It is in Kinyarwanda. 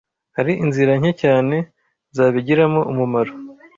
hari inzira nke cyane zabigiramo umumaro